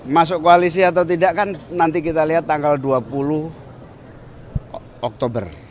masuk koalisi atau tidak kan nanti kita lihat tanggal dua puluh oktober